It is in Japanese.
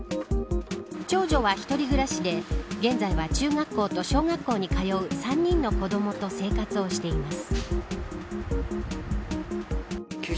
長女は１人暮らしで現在は、中学校と小学校に通う３人の子どもと生活をしています。